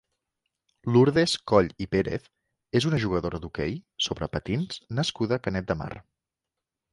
Lourdes Coll i Pérez és una jugadora d'hoquei sobre patins nascuda a Canet de Mar.